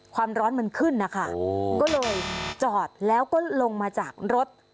ความร้อนมันขึ้นนะคะก็เลยจอดแล้วก็ลงมาจากรถ